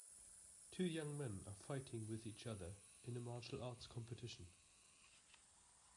Two young men are fighting with each other in a martial arts competition.